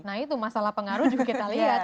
nah itu masalah pengaruh juga kita lihat